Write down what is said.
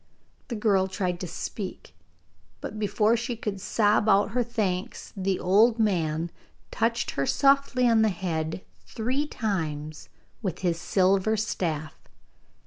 The girl tried to speak, but before she could sob out her thanks the old man had touched her softly on the head three times with his silver staff.